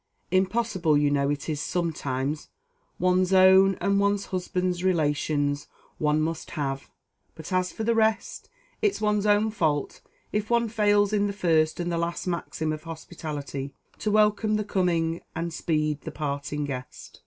Impossible, you know, it is sometimes. One's own and one's husband's relations one must have; but, as for the rest, it's one's own fault if one fails in the first and last maxim of hospitality to welcome the coming and speed the parting guest."